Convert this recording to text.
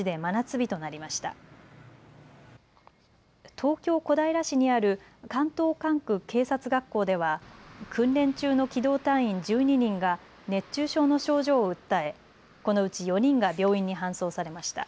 東京、小平市にある関東管区警察学校では訓練中の機動隊員１２人が熱中症の症状を訴えこのうち４人が病院に搬送されました。